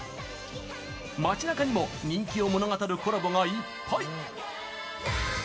町なかにも人気を物語るコラボがいっぱい。